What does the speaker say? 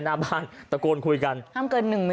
หน้าบ้านตะโกนคุยกันทำเกินหนึ่งหนึ่ง